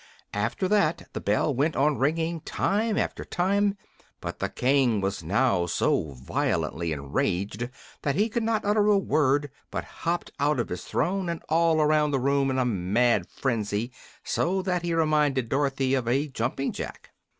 After that the bell went on ringing time after time; but the King was now so violently enraged that he could not utter a word, but hopped out of his throne and all around the room in a mad frenzy, so that he reminded Dorothy of a jumping jack.